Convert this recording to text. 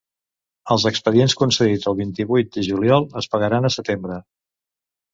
Els expedients concedits el vint-i-vuit de juliol es pagaran a setembre.